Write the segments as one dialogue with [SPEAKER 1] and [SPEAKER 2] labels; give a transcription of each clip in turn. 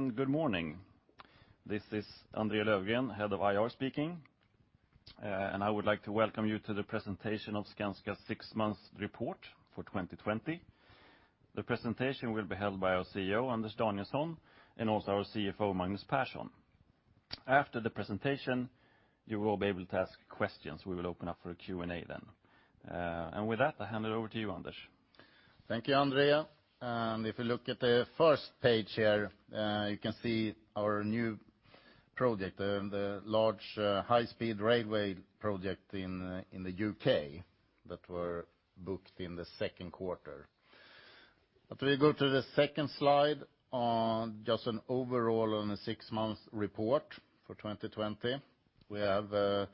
[SPEAKER 1] Hi, and good morning. This is Andre Löfgren, Head of IR speaking, and I would like to welcome you to the presentation of Skanska's six-month report for 2020. The presentation will be held by our CEO, Anders Danielsson, and also our CFO, Magnus Persson. After the presentation, you will be able to ask questions. We will open up for a Q&A then. With that, I hand it over to you, Anders.
[SPEAKER 2] Thank you, Andrea. If you look at the first page here, you can see our new project, the large high-speed railway project in the U.K. that were booked in the second quarter. We go to the second slide on just an overall on the six-month report for 2020. We have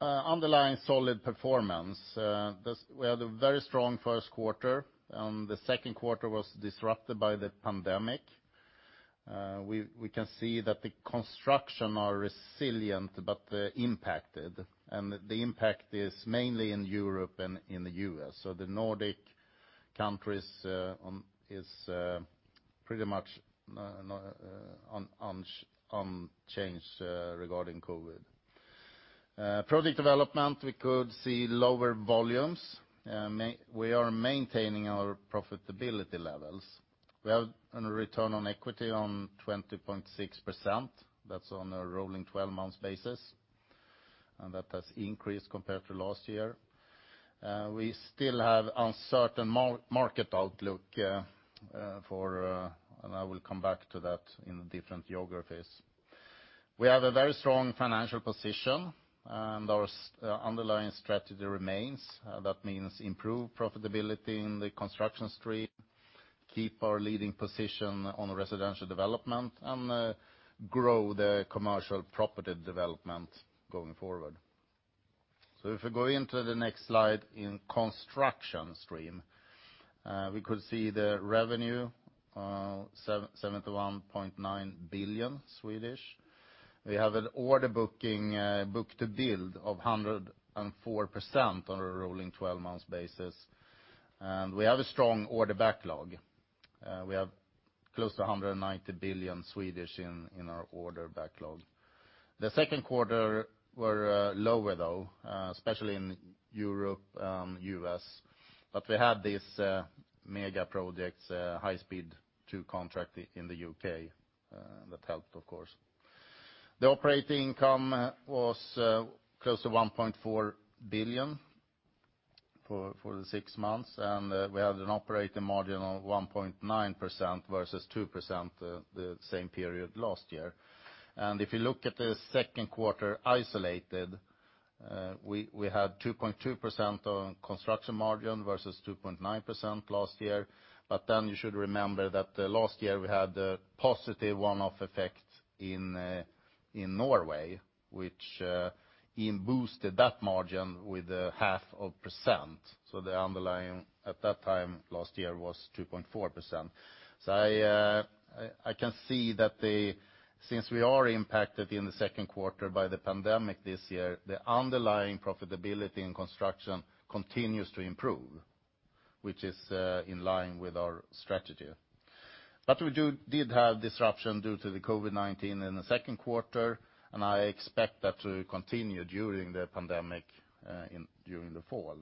[SPEAKER 2] underlying solid performance. We had a very strong first quarter, and the second quarter was disrupted by the pandemic. We can see that the construction are resilient but impacted, and the impact is mainly in Europe and in the U.S. The Nordic countries is pretty much unchanged regarding COVID. Project development, we could see lower volumes. We are maintaining our profitability levels. We have a return on equity on 20.6%. That's on a rolling 12-month basis, and that has increased compared to last year. We still have uncertain market outlook for, and I will come back to that in different geographies. We have a very strong financial position, and our underlying strategy remains. That means improve profitability in the construction stream, keep our leading position on residential development, and grow the commercial property development going forward. If we go into the next slide in construction stream, we could see the revenue, 71.9 billion. We have an order booking book-to-build of 104% on a rolling 12-month basis, and we have a strong order backlog. We have close to 190 billion in our order backlog. The second quarter were lower, though, especially in Europe and U.S. We had these mega projects, High-Speed 2 contract in the U.K. that helped, of course. The operating income was close to 1.4 billion for the six months, and we had an operating margin of 1.9% versus 2% the same period last year. If you look at the second quarter isolated, we had 2.2% of construction margin versus 2.9% last year. You should remember that last year we had a positive one-off effect in Norway, which boosted that margin with half of a percent. The underlying at that time last year was 2.4%. I can see that since we are impacted in the second quarter by the pandemic this year, the underlying profitability in construction continues to improve, which is in line with our strategy. We did have disruption due to the COVID-19 in the second quarter, and I expect that to continue during the pandemic during the fall.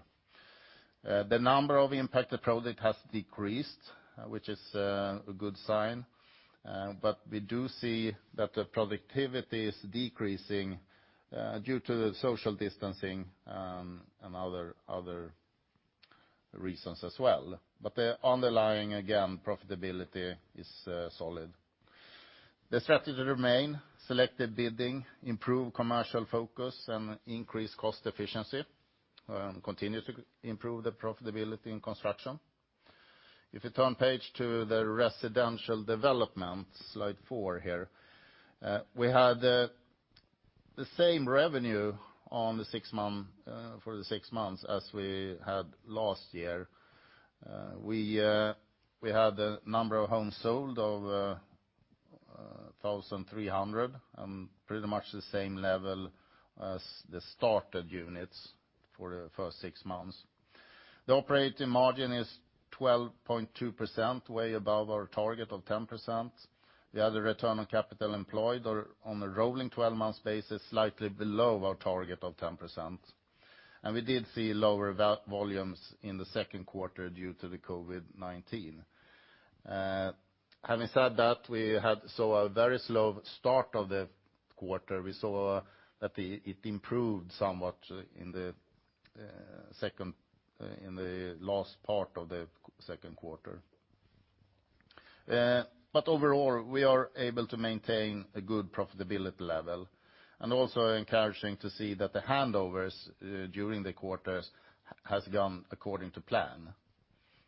[SPEAKER 2] The number of impacted projects has decreased, which is a good sign. We do see that the productivity is decreasing due to social distancing and other reasons as well. The underlying, again, profitability is solid. The strategy remains selective bidding, improve commercial focus, increase cost efficiency, and continue to improve the profitability in construction. If you turn page to the residential development, slide four here, we had the same revenue for the six months as we had last year. We had a number of homes sold of 1,300 and pretty much the same level as the started units for the first six months. The operating margin is 12.2%, way above our target of 10%. We had a return on capital employed on a rolling 12-month basis, slightly below our target of 10%. We did see lower volumes in the second quarter due to the COVID-19. Having said that, we had a very slow start of the quarter. We saw that it improved somewhat in the last part of the second quarter. Overall, we are able to maintain a good profitability level. It is also encouraging to see that the handovers during the quarters have gone according to plan,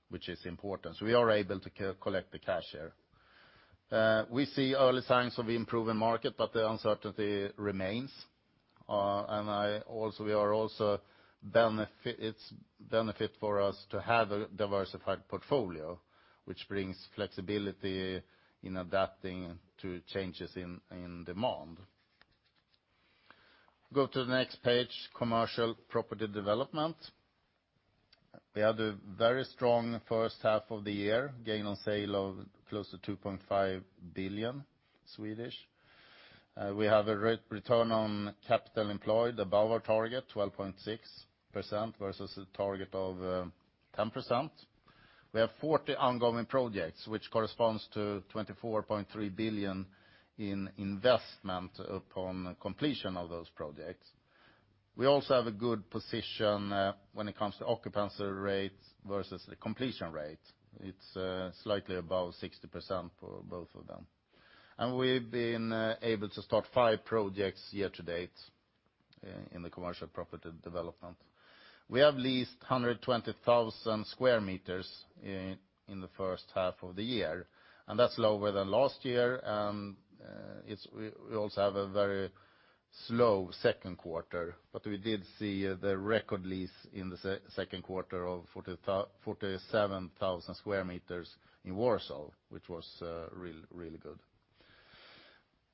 [SPEAKER 2] which is important. We are able to collect the cash here. We see early signs of improving market, but the uncertainty remains. It is also a benefit for us to have a diversified portfolio, which brings flexibility in adapting to changes in demand. Go to the next page, commercial property development. We had a very strong first half of the year, gain on sale of close to 2.5 billion. We have a return on capital employed above our target, 12.6% versus a target of 10%. We have 40 ongoing projects, which corresponds to 24.3 billion in investment upon completion of those projects. We also have a good position when it comes to occupancy rate versus the completion rate. It is slightly above 60% for both of them. We have been able to start five projects year to date in the commercial property development. We have leased 120,000 sq m in the first half of the year, and that is lower than last year. We also have a very slow second quarter, but we did see the record lease in the second quarter of 47,000 sq m in Warsaw, which was really good.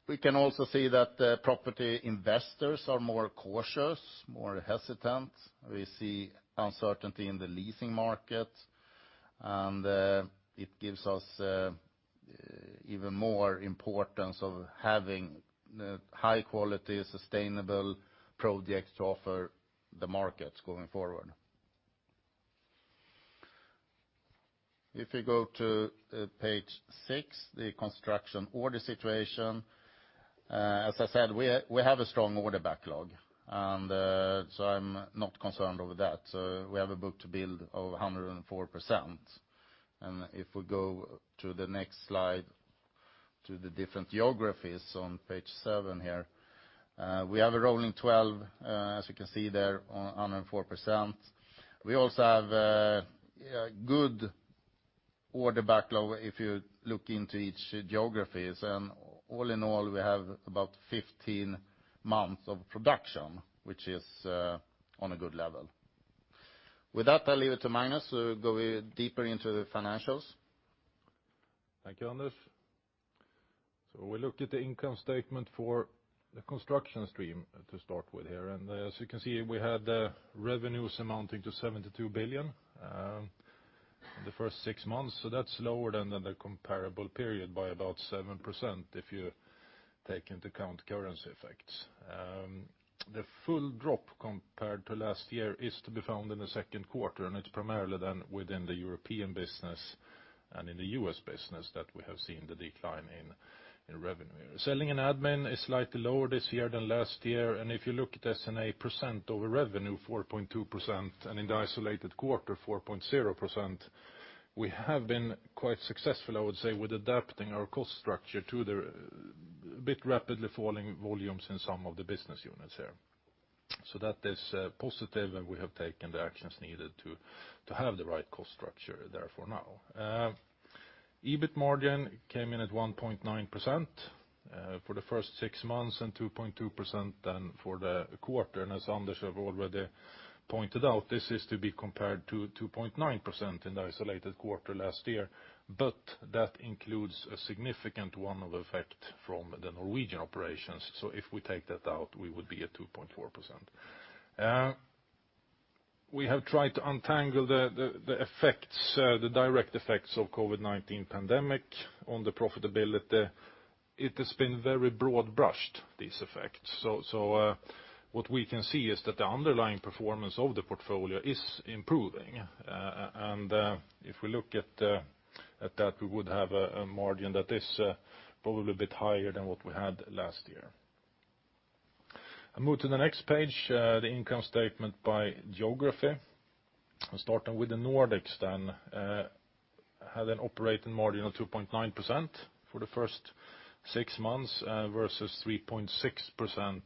[SPEAKER 2] We can also see that the property investors are more cautious, more hesitant. We see uncertainty in the leasing market, and it gives us even more importance of having high-quality, sustainable projects to offer the markets going forward. If you go to page six, the construction order situation, as I said, we have a strong order backlog, and I am not concerned over that. We have a book-to-build of 104%. If you go to the next slide to the different geographies on page seven here, we have a rolling 12, as you can see there, on 104%. We also have good order backlog if you look into each geography. All in all, we have about 15 months of production, which is on a good level. With that, I will leave it to Magnus to go deeper into the financials.
[SPEAKER 3] Thank you, Anders. We look at the income statement for the construction stream to start with here. As you can see, we had revenues amounting to 72 billion in the first six months. That is lower than the comparable period by about 7% if you take into account currency effects. The full drop compared to last year is to be found in the second quarter, and it is primarily then within the European business and in the U.S. business that we have seen the decline in revenue. Selling and admin is slightly lower this year than last year. If you look at S&A percent over revenue, 4.2%, and in the isolated quarter, 4.0%, we have been quite successful, I would say, with adapting our cost structure to the bit rapidly falling volumes in some of the business units here. That is positive, and we have taken the actions needed to have the right cost structure therefore now. EBIT margin came in at 1.9% for the first six months and 2.2% for the quarter. As Anders has already pointed out, this is to be compared to 2.9% in the isolated quarter last year, but that includes a significant one-off effect from the Norwegian operations. If we take that out, we would be at 2.4%. We have tried to untangle the effects, the direct effects of the COVID-19 pandemic on the profitability. It has been very broad brushed, these effects. What we can see is that the underlying performance of the portfolio is improving. If we look at that, we would have a margin that is probably a bit higher than what we had last year. Moving to the next page, the income statement by geography. Starting with the Nordics, there was an operating margin of 2.9% for the first six months versus 3.6%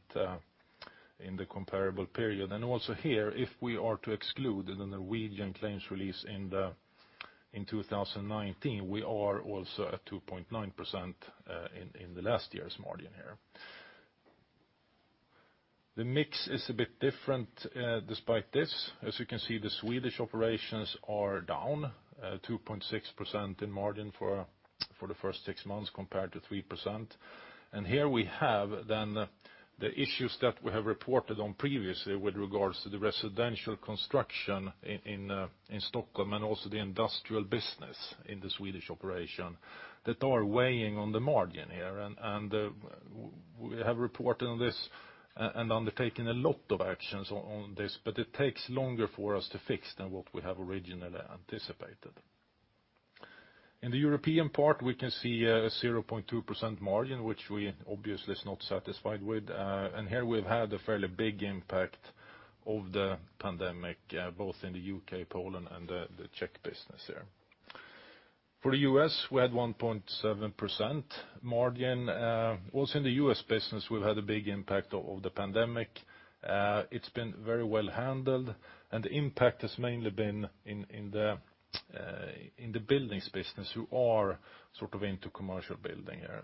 [SPEAKER 3] in the comparable period. Also here, if we are to exclude the Norwegian claims release in 2019, we are also at 2.9% in last year's margin here. The mix is a bit different despite this. As you can see, the Swedish operations are down 2.6% in margin for the first six months compared to 3%. Here we have the issues that we have reported on previously with regards to the residential construction in Stockholm and also the industrial business in the Swedish operation that are weighing on the margin here. We have reported on this and undertaken a lot of actions on this, but it takes longer for us to fix than what we have originally anticipated. In the European part, we can see a 0.2% margin, which we obviously are not satisfied with. Here we have had a fairly big impact of the pandemic, both in the U.K., Poland, and the Czech business here. For the U.S., we had a 1.7% margin. Also in the U.S. business, we have had a big impact of the pandemic. It has been very well handled, and the impact has mainly been in the buildings business who are sort of into commercial building here.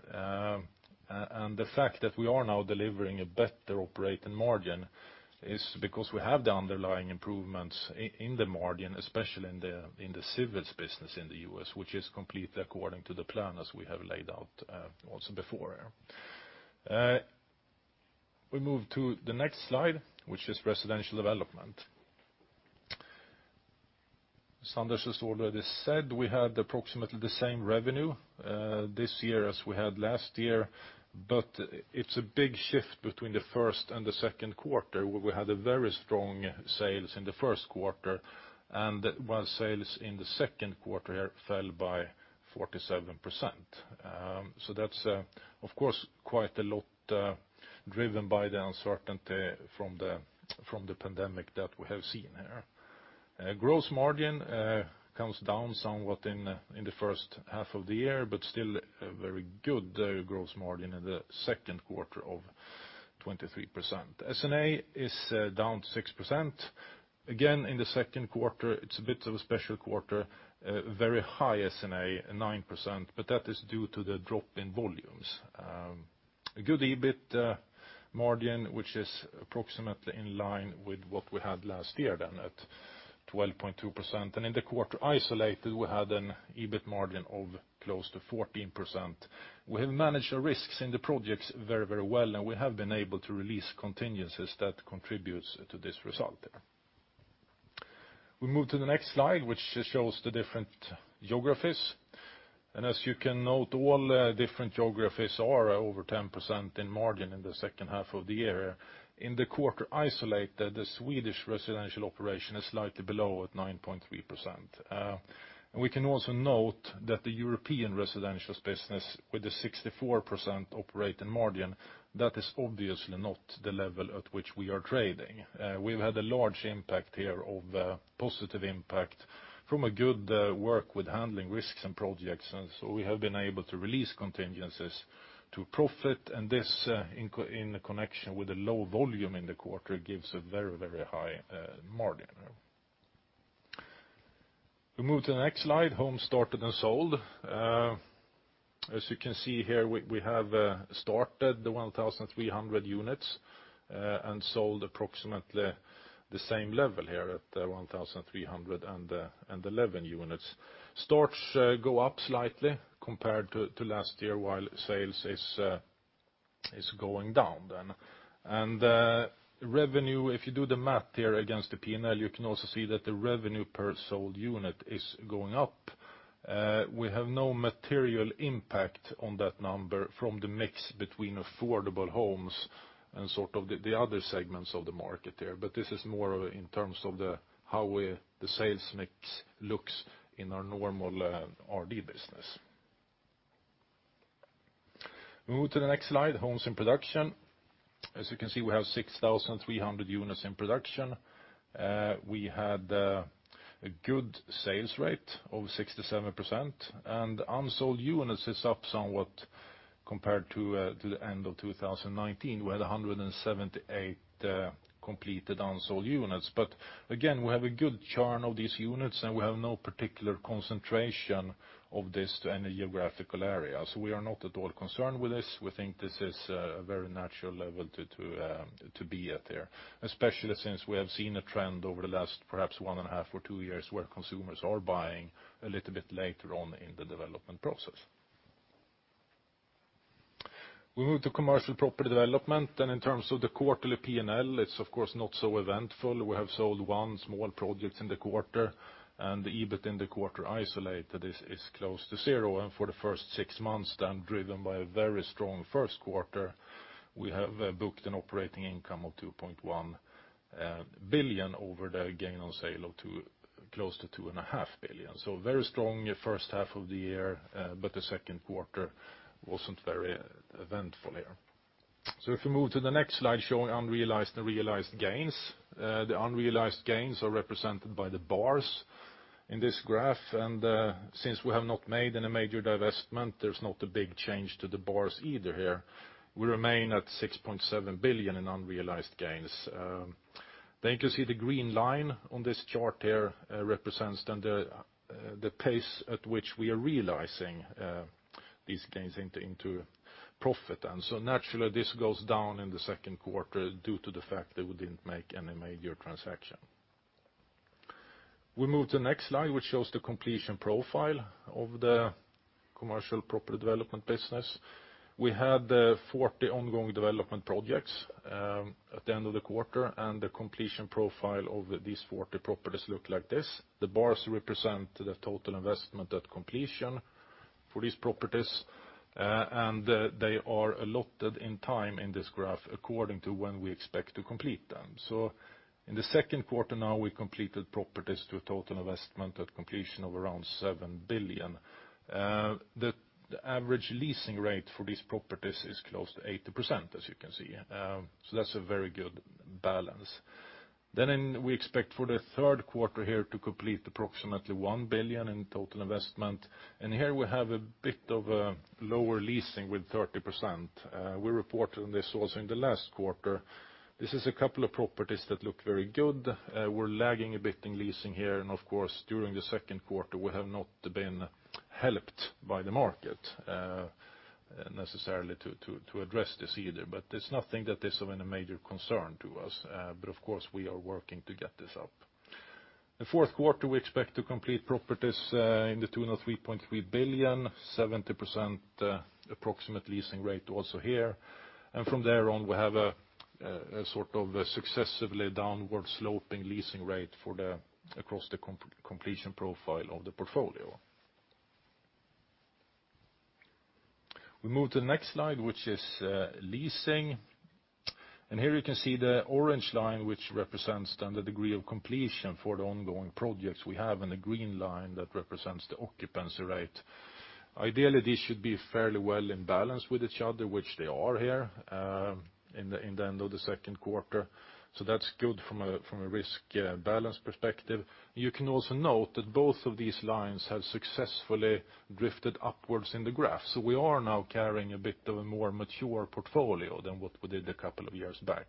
[SPEAKER 3] The fact that we are now delivering a better operating margin is because we have the underlying improvements in the margin, especially in the civils business in the U.S., which is completely according to the plan as we have laid out also before here. We move to the next slide, which is residential development. As Anders has already said, we had approximately the same revenue this year as we had last year, but it is a big shift between the first and the second quarter where we had very strong sales in the first quarter, and while sales in the second quarter here fell by 47%. That is, of course, quite a lot driven by the uncertainty from the pandemic that we have seen here. Gross margin comes down somewhat in the first half of the year, but still a very good gross margin in the second quarter of 23%. S&A is down 6%. Again, in the second quarter, it's a bit of a special quarter, very high S&A, 9%, but that is due to the drop in volumes. A good EBIT margin, which is approximately in line with what we had last year then at 12.2%. In the quarter isolated, we had an EBIT margin of close to 14%. We have managed our risks in the projects very, very well, and we have been able to release contingencies that contribute to this result here. We move to the next slide, which shows the different geographies. As you can note, all different geographies are over 10% in margin in the second half of the year. In the quarter isolated, the Swedish residential operation is slightly below at 9.3%. We can also note that the European residential business with the 64% operating margin, that is obviously not the level at which we are trading. We have had a large impact here of positive impact from a good work with handling risks and projects. We have been able to release contingencies to profit. This in connection with the low volume in the quarter gives a very, very high margin here. We move to the next slide, homes started and sold. As you can see here, we have started the 1,300 units and sold approximately the same level here at 1,311 units. Starts go up slightly compared to last year while sales is going down then. Revenue, if you do the math here against the P&L, you can also see that the revenue per sold unit is going up. We have no material impact on that number from the mix between affordable homes and sort of the other segments of the market here. This is more in terms of how the sales mix looks in our normal R&D business. We move to the next slide, homes in production. As you can see, we have 6,300 units in production. We had a good sales rate of 67%. Unsold units are up somewhat compared to the end of 2019. We had 178 completed unsold units. Again, we have a good churn of these units, and we have no particular concentration of this to any geographical area. We are not at all concerned with this. We think this is a very natural level to be at here, especially since we have seen a trend over the last perhaps one and a half or two years where consumers are buying a little bit later on in the development process. We move to commercial property development. In terms of the quarterly P&L, it is of course not so eventful. We have sold one small project in the quarter, and the EBIT in the quarter isolated is close to zero. For the first six months, driven by a very strong first quarter, we have booked an operating income of 2.1 billion over the gain on sale of close to 2.5 billion. Very strong first half of the year, but the second quarter was not very eventful here. If we move to the next slide showing unrealized and realized gains, the unrealized gains are represented by the bars in this graph. Since we have not made any major divestment, there is not a big change to the bars either here. We remain at 6.7 billion in unrealized gains. You can see the green line on this chart here represents the pace at which we are realizing these gains into profit. Naturally, this goes down in the second quarter due to the fact that we did not make any major transaction. We move to the next slide, which shows the completion profile of the commercial property development business. We had 40 ongoing development projects at the end of the quarter, and the completion profile of these 40 properties looked like this. The bars represent the total investment at completion for these properties, and they are allotted in time in this graph according to when we expect to complete them. In the second quarter now, we completed properties to a total investment at completion of around 7 billion. The average leasing rate for these properties is close to 80%, as you can see. That is a very good balance. We expect for the third quarter here to complete approximately 1 billion in total investment. Here we have a bit of a lower leasing with 30%. We reported on this also in the last quarter. This is a couple of properties that look very good. We are lagging a bit in leasing here. Of course, during the second quarter, we have not been helped by the market necessarily to address this either. It is nothing that is of any major concern to us. Of course, we are working to get this up. The fourth quarter, we expect to complete properties in the 2.3 billion, 70% approximate leasing rate also here. From there on, we have a sort of successively downward sloping leasing rate across the completion profile of the portfolio. We move to the next slide, which is leasing. Here you can see the orange line, which represents then the degree of completion for the ongoing projects we have, and the green line that represents the occupancy rate. Ideally, these should be fairly well in balance with each other, which they are here in the end of the second quarter. That is good from a risk balance perspective. You can also note that both of these lines have successfully drifted upwards in the graph. We are now carrying a bit of a more mature portfolio than what we did a couple of years back.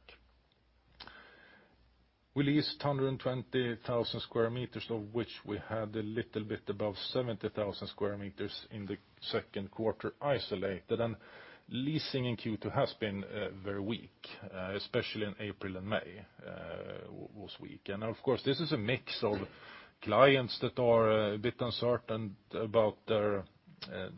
[SPEAKER 3] We leased 120,000 sq m, of which we had a little bit above 70,000 sq m in the second quarter isolated. Leasing in Q2 has been very weak, especially in April and May was weak. Of course, this is a mix of clients that are a bit uncertain about the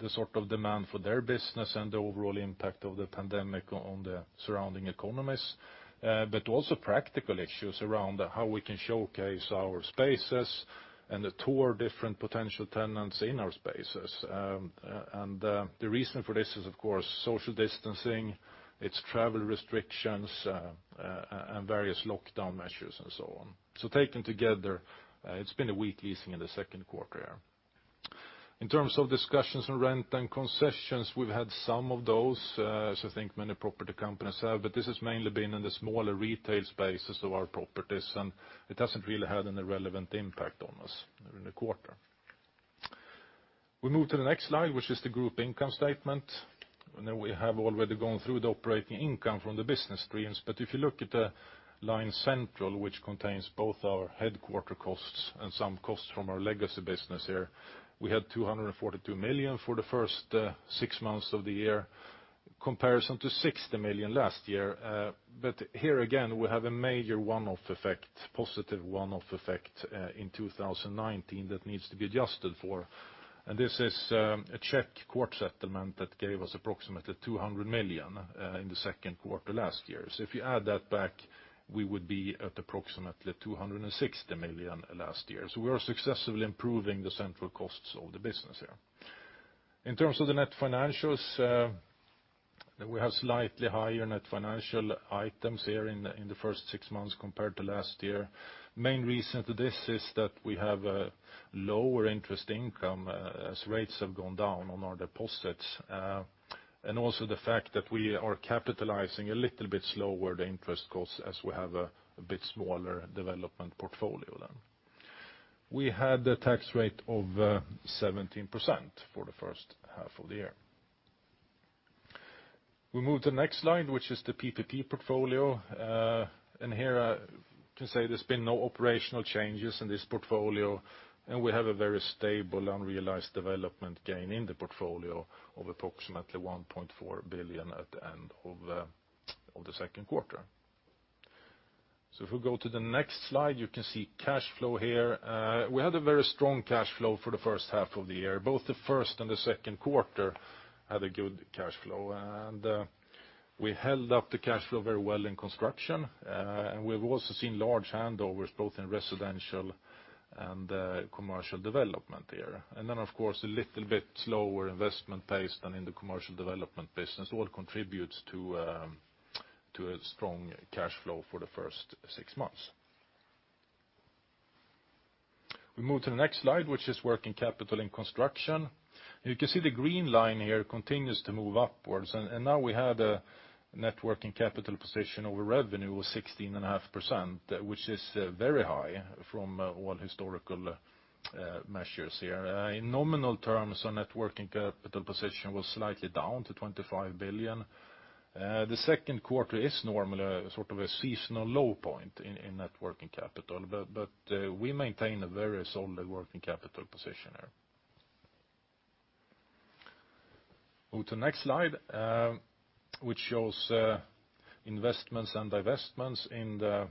[SPEAKER 3] sort of demand for their business and the overall impact of the pandemic on the surrounding economies, but also practical issues around how we can showcase our spaces and tour different potential tenants in our spaces. The reason for this is, of course, social distancing, travel restrictions, and various lockdown measures and so on. Taken together, it has been a weak leasing in the second quarter here. In terms of discussions on rent and concessions, we've had some of those, as I think many property companies have, but this has mainly been in the smaller retail spaces of our properties, and it hasn't really had any relevant impact on us in the quarter. We move to the next slide, which is the group income statement. We have already gone through the operating income from the business streams. If you look at the line central, which contains both our headquarter costs and some costs from our legacy business here, we had 242 million for the first six months of the year, in comparison to 60 million last year. Here again, we have a major one-off effect, positive one-off effect in 2019 that needs to be adjusted for. This is a Czech court settlement that gave us approximately 200 million in the second quarter last year. If you add that back, we would be at approximately 260 million last year. We are successfully improving the central costs of the business here. In terms of the net financials, we have slightly higher net financial items here in the first six months compared to last year. The main reason for this is that we have a lower interest income as rates have gone down on our deposits. Also, the fact that we are capitalizing a little bit slower the interest costs as we have a bit smaller development portfolio then. We had a tax rate of 17% for the first half of the year. We move to the next slide, which is the PPP portfolio. Here I can say there's been no operational changes in this portfolio, and we have a very stable unrealized development gain in the portfolio of approximately 1.4 billion at the end of the second quarter. If we go to the next slide, you can see cash flow here. We had a very strong cash flow for the first half of the year. Both the first and the second quarter had a good cash flow. We held up the cash flow very well in construction. We have also seen large handovers both in residential and commercial development here. Of course, a little bit slower investment pace than in the commercial development business all contributes to a strong cash flow for the first six months. We move to the next slide, which is working capital in construction. You can see the green line here continues to move upwards. Now we had a net working capital position over revenue of 16.5%, which is very high from all historical measures here. In nominal terms, our net working capital position was slightly down to 25 billion. The second quarter is normally sort of a seasonal low point in net working capital, but we maintain a very solid working capital position here. Move to the next slide, which shows investments and divestments in the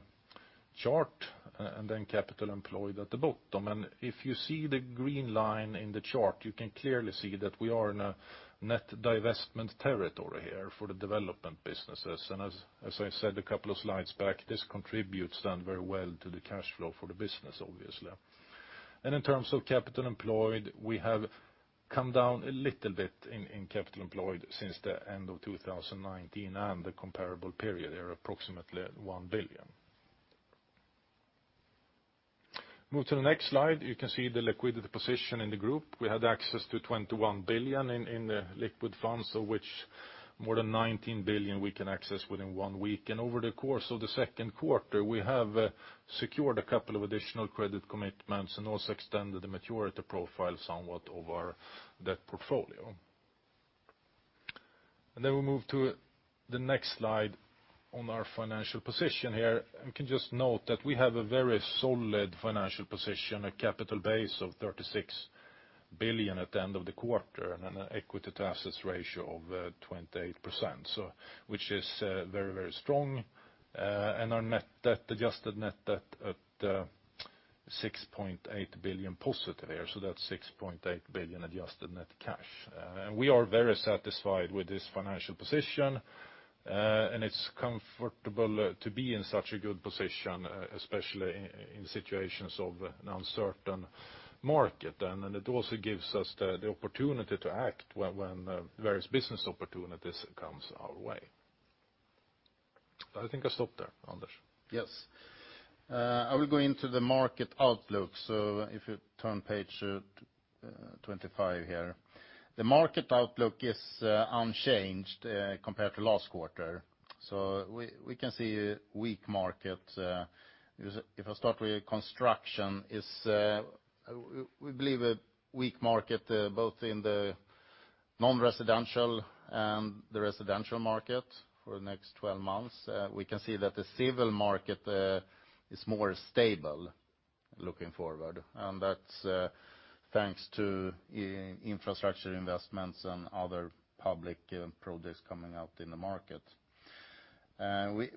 [SPEAKER 3] chart and then capital employed at the bottom. If you see the green line in the chart, you can clearly see that we are in a net divestment territory here for the development businesses. As I said a couple of slides back, this contributes then very well to the cash flow for the business, obviously. In terms of capital employed, we have come down a little bit in capital employed since the end of 2019 and the comparable period here, approximately 1 billion. Move to the next slide. You can see the liquidity position in the group. We had access to 21 billion in the liquid funds, of which more than 19 billion we can access within one week. Over the course of the second quarter, we have secured a couple of additional credit commitments and also extended the maturity profile somewhat of our debt portfolio. We move to the next slide on our financial position here. You can just note that we have a very solid financial position, a capital base of 36 billion at the end of the quarter, and an equity to assets ratio of 28%, which is very, very strong. Our net debt, adjusted net debt at 6.8 billion positive here. That is 6.8 billion adjusted net cash. We are very satisfied with this financial position. It is comfortable to be in such a good position, especially in situations of an uncertain market. It also gives us the opportunity to act when various business opportunities come our way. I think I will stop there, Anders.
[SPEAKER 2] Yes. I will go into the market outlook. If you turn to page 25 here, the market outlook is unchanged compared to last quarter. We can see a weak market. If I start with construction, we believe a weak market both in the non-residential and the residential market for the next 12 months. We can see that the civil market is more stable looking forward. That is thanks to infrastructure investments and other public projects coming out in the market.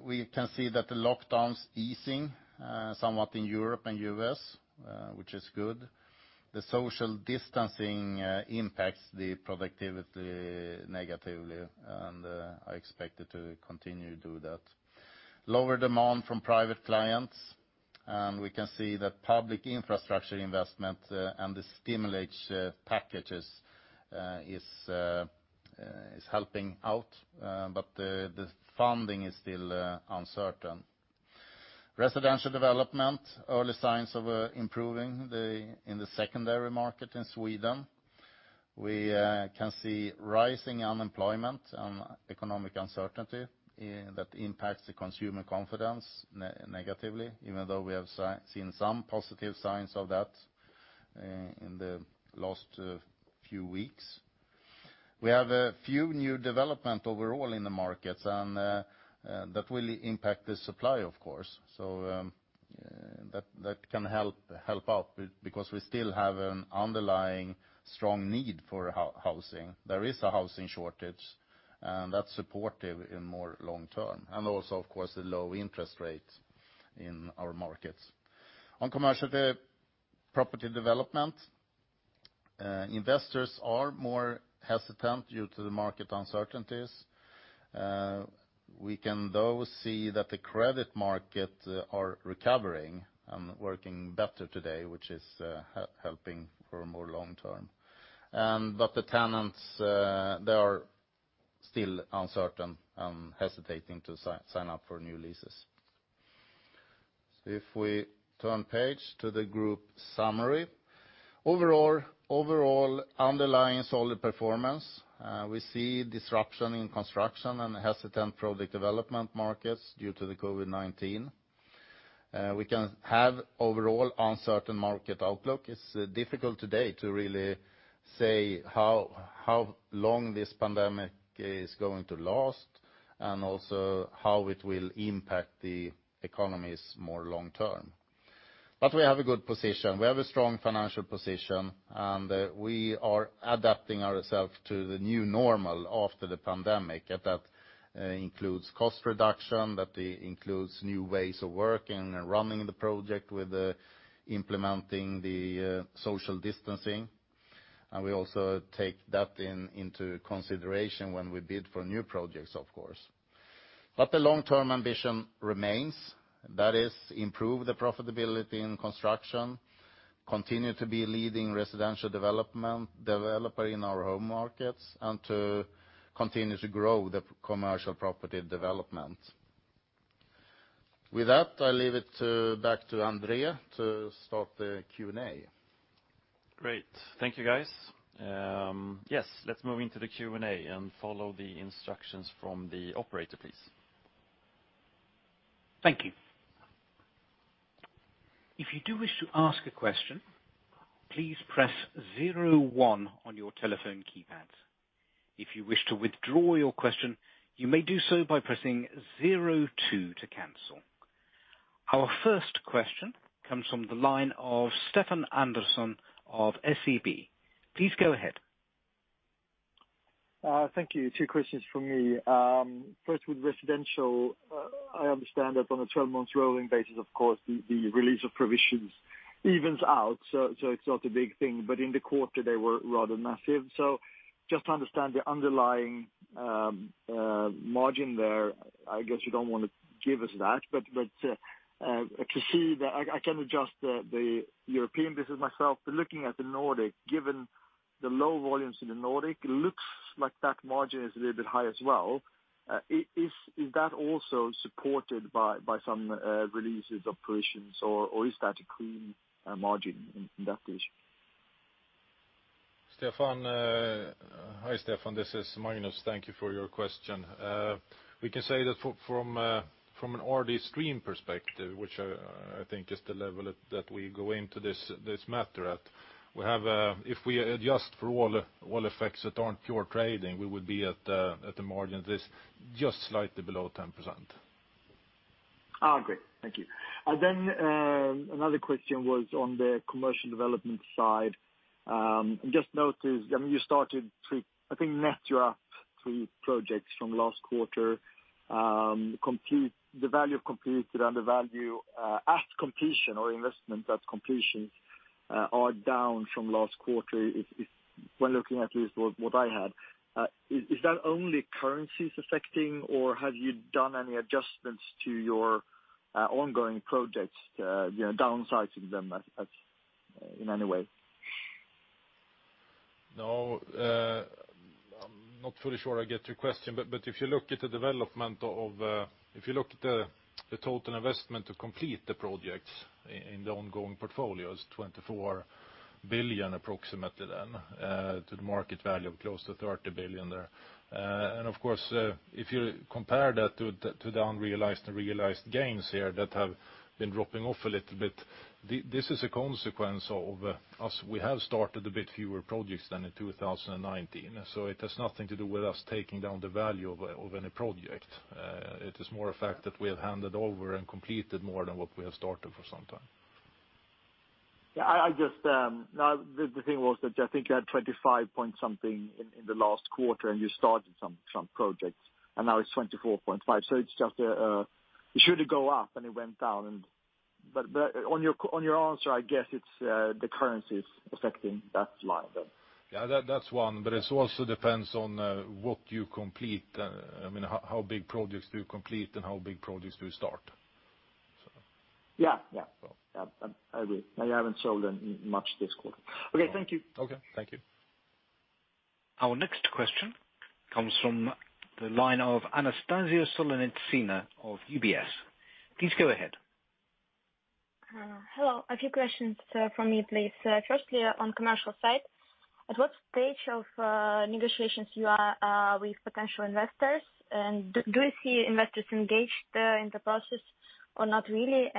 [SPEAKER 2] We can see that the lockdowns easing somewhat in Europe and U.S., which is good. The social distancing impacts the productivity negatively, and I expect it to continue to do that. Lower demand from private clients. We can see that public infrastructure investment and the stimulation packages is helping out, but the funding is still uncertain. Residential development, early signs of improving in the secondary market in Sweden. We can see rising unemployment and economic uncertainty that impacts the consumer confidence negatively, even though we have seen some positive signs of that in the last few weeks. We have a few new developments overall in the markets that will impact the supply, of course. That can help out because we still have an underlying strong need for housing. There is a housing shortage, and that is supportive in more long term. Also, of course, the low interest rates in our markets. On commercial property development, investors are more hesitant due to the market uncertainties. We can, though, see that the credit markets are recovering and working better today, which is helping for more long term. The tenants, they are still uncertain and hesitating to sign up for new leases. If we turn page to the group summary, overall underlying solid performance. We see disruption in construction and hesitant project development markets due to the COVID-19. We can have overall uncertain market outlook. It is difficult today to really say how long this pandemic is going to last and also how it will impact the economies more long term. We have a good position. We have a strong financial position, and we are adapting ourselves to the new normal after the pandemic. That includes cost reduction, that includes new ways of working and running the project with implementing the social distancing. We also take that into consideration when we bid for new projects, of course. The long-term ambition remains. That is improve the profitability in construction, continue to be leading residential development developer in our home markets, and to continue to grow the commercial property development. With that, I leave it back to Andre to start the Q&A. Great.
[SPEAKER 1] Thank you, guys. Yes, let's move into the Q&A and follow the instructions from the operator, please.
[SPEAKER 4] Thank you. If you do wish to ask a question, please press zero one on your telephone keypad. If you wish to withdraw your question, you may do so by pressing zero two to cancel. Our first question comes from the line of Stefan Andersson of SEB. Please go ahead.
[SPEAKER 5] Thank you. Two questions from me. First, with residential, I understand that on a 12-month rolling basis, of course, the release of provisions evens out. It is not a big thing. In the quarter, they were rather massive. Just to understand the underlying margin there, I guess you do not want to give us that. To see that I can adjust the European business myself. Looking at the Nordic, given the low volumes in the Nordic, it looks like that margin is a little bit high as well. Is that also supported by some releases of provisions, or is that a clean margin in that case?
[SPEAKER 3] Stefan, hi Stefan. This is Magnus. Thank you for your question. We can say that from an already stream perspective, which I think is the level that we go into this matter at, we have a, if we adjust for all effects that are not pure trading, we would be at a margin that is just slightly below 10%.
[SPEAKER 5] I agree. Thank you. Another question was on the commercial development side. I just noticed, I mean, you started, I think, net you are up three projects from last quarter. The value of computer and the value at completion or investment at completion are down from last quarter when looking at least what I had. Is that only currencies affecting, or have you done any adjustments to your ongoing projects, downsizing them in any way?
[SPEAKER 3] No, I am not fully sure I get your question. If you look at the development of, if you look at the total investment to complete the projects in the ongoing portfolio, it is 24 billion approximately, then to the market value of close to 30 billion there. Of course, if you compare that to the unrealized and realized gains here that have been dropping off a little bit, this is a consequence of us. We have started a bit fewer projects than in 2019. It has nothing to do with us taking down the value of any project. It is more a fact that we have handed over and completed more than what we have started for some time.
[SPEAKER 5] Yeah, just now the thing was that I think you had 25 point something in the last quarter, and you started some projects, and now it is 24.5. It should have gone up, and it went down. On your answer, I guess it's the currencies affecting that line then.
[SPEAKER 3] Yeah, that's one. It also depends on what you complete. I mean, how big projects do you complete and how big projects do you start?
[SPEAKER 5] Yeah, yeah. I agree. You haven't sold much this quarter. Okay, thank you.
[SPEAKER 3] Okay, thank you.
[SPEAKER 4] Our next question comes from the line of Anastasia Solenitsina of UBS. Please go ahead.
[SPEAKER 6] Hello. A few questions from me, please. Firstly, on commercial side, at what stage of negotiations you are with potential investors? Do you see investors engaged in the process or not really?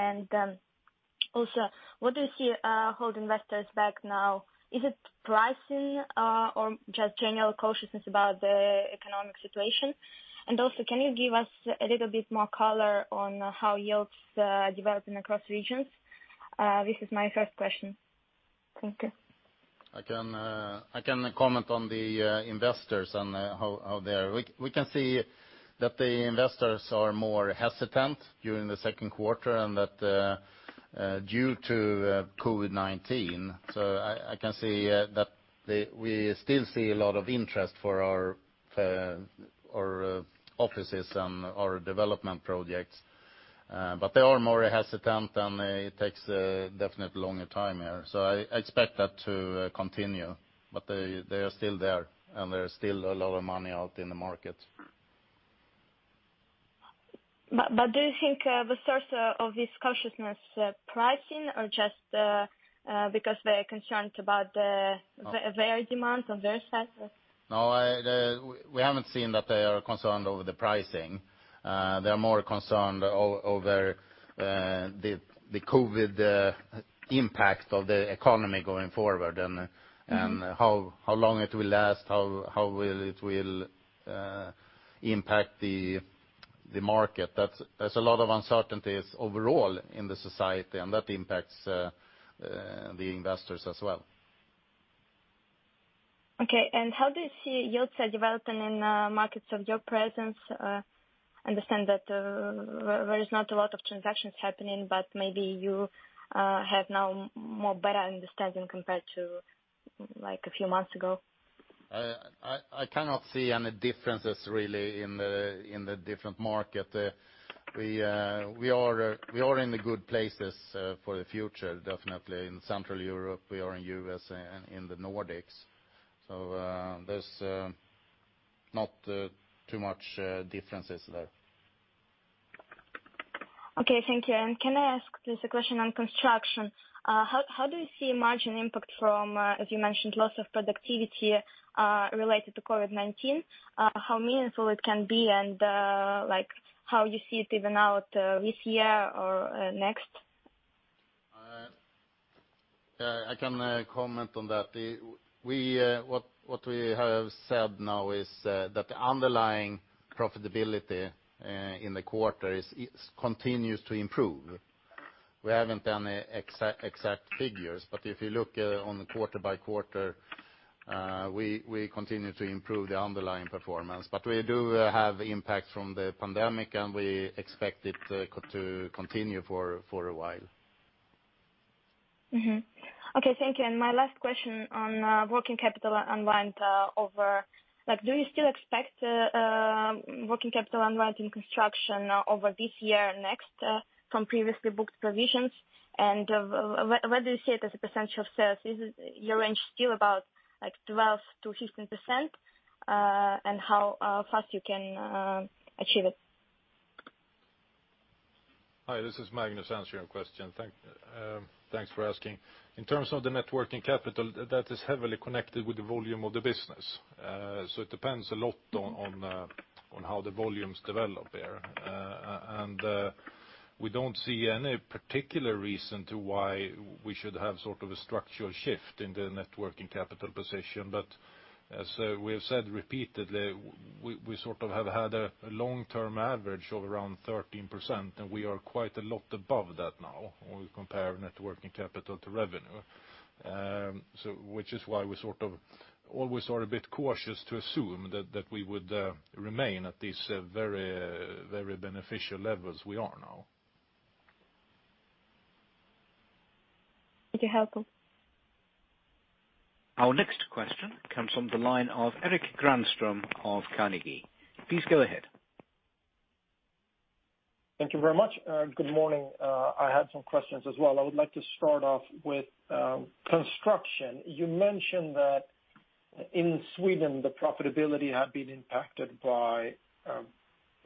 [SPEAKER 6] Also, what do you see hold investors back now? Is it pricing or just general cautiousness about the economic situation? Also, can you give us a little bit more color on how yields are developing across regions? This is my first question. Thank you.
[SPEAKER 2] I can comment on the investors and how they are. We can see that the investors are more hesitant during the second quarter and that is due to COVID-19. I can see that we still see a lot of interest for our offices and our development projects. They are more hesitant, and it takes definitely a longer time here. I expect that to continue. They are still there, and there is still a lot of money out in the market. Do you think the source of this cautiousness is pricing or just because they are concerned about their demand on their side? No, we have not seen that they are concerned over the pricing. They are more concerned over the COVID impact of the economy going forward and how long it will last, how it will impact the market. There is a lot of uncertainties overall in the society, and that impacts the investors as well.
[SPEAKER 6] Okay. How do you see yields developing in markets of your presence? I understand that there is not a lot of transactions happening, but maybe you have now more better understanding compared to a few months ago.
[SPEAKER 2] I cannot see any differences really in the different market. We are in the good places for the future, definitely in Central Europe. We are in the U.S. and in the Nordics. There is not too much differences there.
[SPEAKER 6] Okay, thank you. Can I ask this question on construction? How do you see margin impact from, as you mentioned, loss of productivity related to COVID-19? How meaningful it can be and how you see it even out this year or next?
[SPEAKER 2] I can comment on that. What we have said now is that the underlying profitability in the quarters continues to improve. We have not any exact figures, but if you look on quarter by quarter, we continue to improve the underlying performance. We do have impact from the pandemic, and we expect it to continue for a while.
[SPEAKER 6] Okay, thank you. My last question on working capital unwind over do you still expect working capital unwind in construction over this year and next from previously booked provisions? Where do you see it as a percentage of sales? Is your range still about 12%-15%? How fast you can achieve it?
[SPEAKER 3] Hi, this is Magnus answering your question. Thanks for asking. In terms of the networking capital, that is heavily connected with the volume of the business. It depends a lot on how the volumes develop there. We do not see any particular reason why we should have sort of a structural shift in the networking capital position. As we have said repeatedly, we sort of have had a long-term average of around 13%, and we are quite a lot above that now when we compare networking capital to revenue, which is why we sort of always are a bit cautious to assume that we would remain at these very beneficial levels we are now.
[SPEAKER 6] Thank you, [Hakon] bracket
[SPEAKER 4] Our next question comes from the line of Erik Granström of Carnegie. Please go ahead.
[SPEAKER 7] Thank you very much. Good morning. I had some questions as well. I would like to start off with construction. You mentioned that in Sweden, the profitability had been impacted by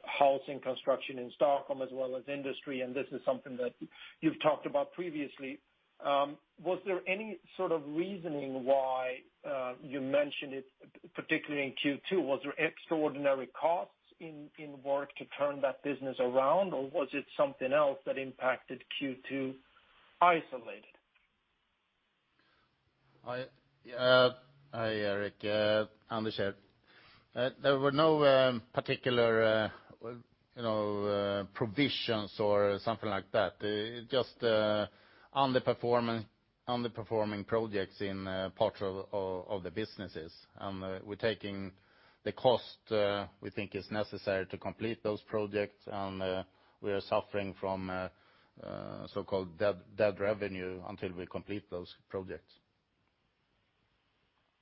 [SPEAKER 7] housing construction in Stockholm as well as industry, and this is something that you've talked about previously. Was there any sort of reasoning why you mentioned it, particularly in Q2? Was there extraordinary costs in work to turn that business around, or was it something else that impacted Q2 isolated?
[SPEAKER 2] Hi, Eric. I understand. There were no particular provisions or something like that. Just underperforming projects in parts of the businesses. We are taking the cost we think is necessary to complete those projects, and we are suffering from so-called dead revenue until we complete those projects.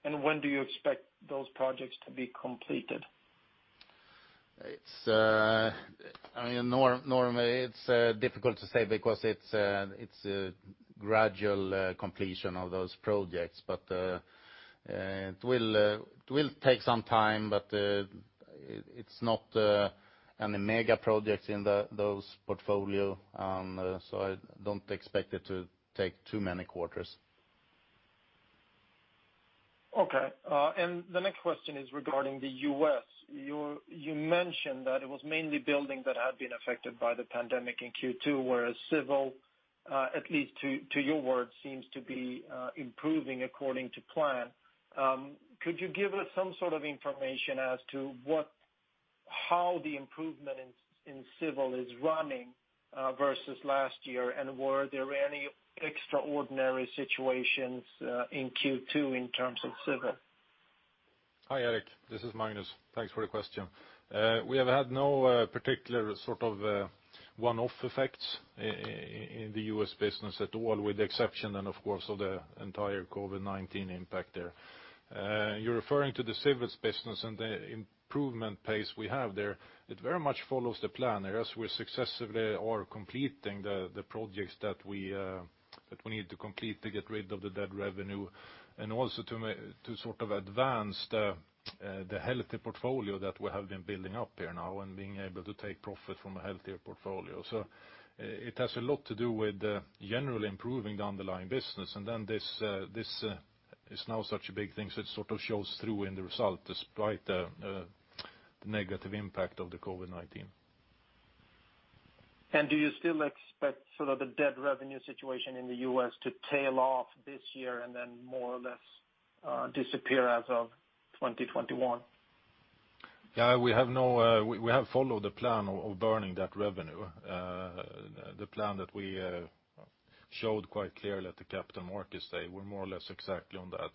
[SPEAKER 7] When do you expect those projects to be completed?
[SPEAKER 2] I mean, normally, it's difficult to say because it's a gradual completion of those projects. It will take some time, but it's not any mega projects in those portfolio. I do not expect it to take too many quarters.
[SPEAKER 7] Okay. The next question is regarding the U.S. You mentioned that it was mainly buildings that had been affected by the pandemic in Q2, whereas civil, at least to your words, seems to be improving according to plan. Could you give us some sort of information as to how the improvement in civil is running versus last year, and were there any extraordinary situations in Q2 in terms of civil?
[SPEAKER 3] Hi, Eric. This is Magnus. Thanks for the question. We have had no particular sort of one-off effects in the U.S. business at all, with the exception, of course, of the entire COVID-19 impact there. You are referring to the civil business and the improvement pace we have there. It very much follows the plan as we successively are completing the projects that we need to complete to get rid of the dead revenue and also to sort of advance the healthy portfolio that we have been building up here now and being able to take profit from a healthier portfolio. It has a lot to do with generally improving the underlying business. This is now such a big thing, so it sort of shows through in the results, despite the negative impact of the COVID-19.
[SPEAKER 7] Do you still expect sort of the dead revenue situation in the U.S. to tail off this year and then more or less disappear as of 2021?
[SPEAKER 3] Yeah, we have followed the plan of burning that revenue, the plan that we showed quite clearly at the Capital Markets Day. We are more or less exactly on that.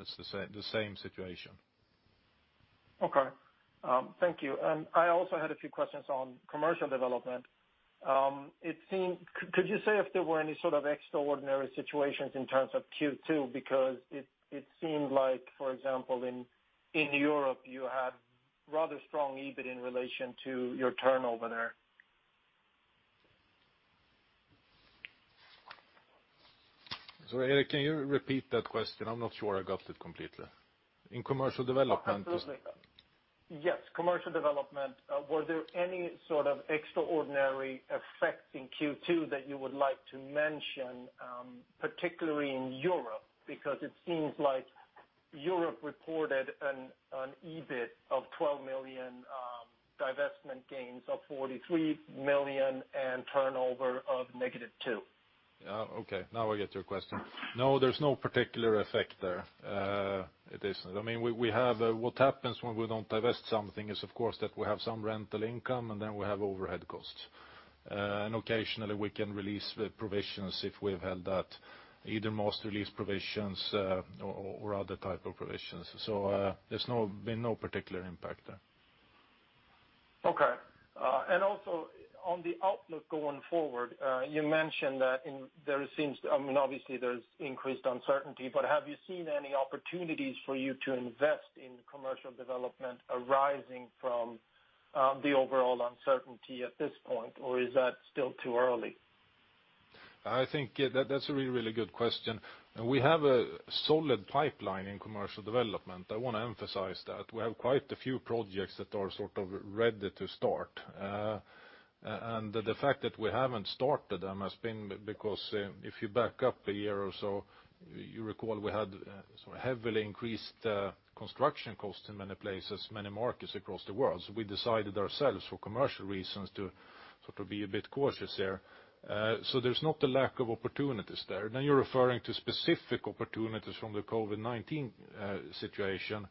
[SPEAKER 3] It is the same situation.
[SPEAKER 7] Okay. Thank you. I also had a few questions on commercial development. Could you say if there were any sort of extraordinary situations in terms of Q2? Because it seemed like, for example, in Europe, you had rather strong EBIT in relation to your turnover there.
[SPEAKER 3] Sorry, Eric, can you repeat that question? I am not sure I got it completely. In commercial development.
[SPEAKER 7] Yes, commercial development. Were there any sort of extraordinary effects in Q2 that you would like to mention, particularly in Europe? Because it seems like Europe reported an EBIT of 12 million, divestment gains of 43 million, and turnover of -2.
[SPEAKER 3] Yeah, okay. Now I get your question. No, there is no particular effect there. I mean, what happens when we do not divest something is, of course, that we have some rental income, and then we have overhead costs. Occasionally, we can release provisions if we've held that, either most release provisions or other type of provisions. There's been no particular impact there.
[SPEAKER 7] Okay. Also, on the outlook going forward, you mentioned that there seems to, I mean, obviously, there's increased uncertainty, but have you seen any opportunities for you to invest in commercial development arising from the overall uncertainty at this point, or is that still too early?
[SPEAKER 3] I think that's a really, really good question. We have a solid pipeline in commercial development. I want to emphasize that. We have quite a few projects that are sort of ready to start. The fact that we haven't started them has been because if you back up a year or so, you recall we had heavily increased construction costs in many places, many markets across the world. We decided ourselves, for commercial reasons, to sort of be a bit cautious here. There is not a lack of opportunities there. You are referring to specific opportunities from the COVID-19 situation.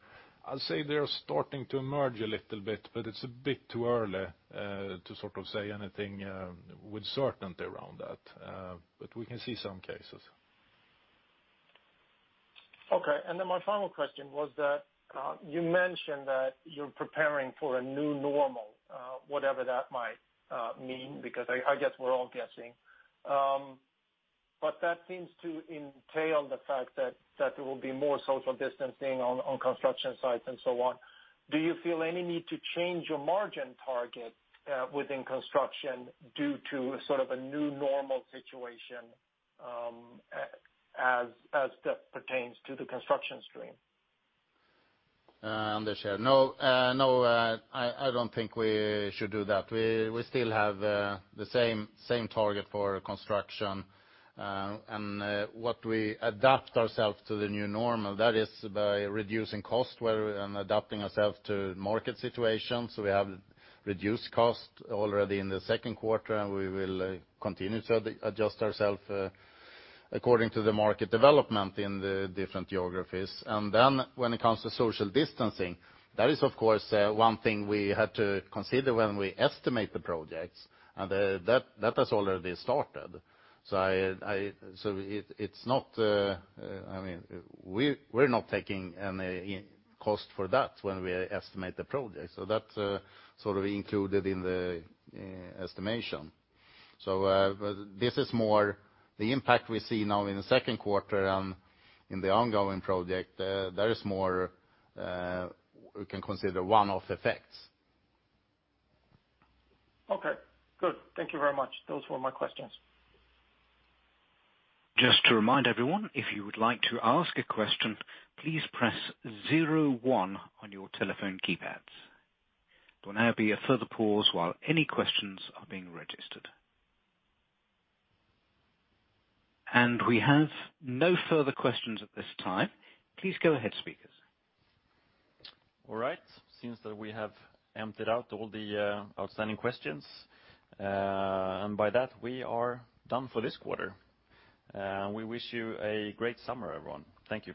[SPEAKER 3] I would say they are starting to emerge a little bit, but it is a bit too early to sort of say anything with certainty around that. We can see some cases.
[SPEAKER 7] Okay. My final question was that you mentioned that you are preparing for a new normal, whatever that might mean, because I guess we are all guessing. That seems to entail the fact that there will be more social distancing on construction sites and so on. Do you feel any need to change your margin target within construction due to sort of a new normal situation as that pertains to the construction stream?
[SPEAKER 2] I do not think we should do that. We still have the same target for construction. We adapt ourselves to the new normal, that is by reducing cost and adapting ourselves to market situations. We have reduced costs already in the second quarter, and we will continue to adjust ourselves according to the market development in the different geographies. When it comes to social distancing, that is, of course, one thing we had to consider when we estimate the projects, and that has already started. I mean, we're not taking any cost for that when we estimate the projects. That is sort of included in the estimation. This is more the impact we see now in the second quarter and in the ongoing project. There is more we can consider one-off effects.
[SPEAKER 7] Okay. Good. Thank you very much. Those were my questions.
[SPEAKER 4] Just to remind everyone, if you would like to ask a question, please press zero one on your telephone keypads. There will now be a further pause while any questions are being registered. We have no further questions at this time. Please go ahead, speakers.
[SPEAKER 1] All right. Seems that we have emptied out all the outstanding questions. By that, we are done for this quarter. We wish you a great summer, everyone. Thank you.